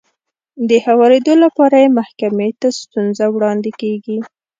د هوارېدو لپاره يې محکمې ته ستونزه وړاندې کېږي.